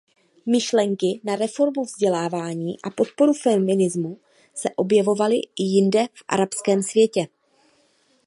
Myšlenky na reformu vzdělávání a podporu feminismu se objevovaly i jinde v arabském světě.